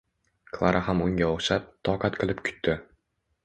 Klara ham unga o’xshab, toqat qilib kutdi.